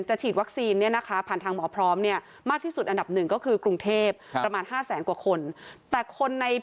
คือชีดวัคซีนนี่นะคะ